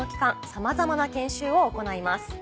さまざまな研修を行います。